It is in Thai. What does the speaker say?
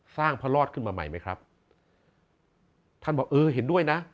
พระรอดขึ้นมาใหม่ไหมครับท่านบอกเออเห็นด้วยนะ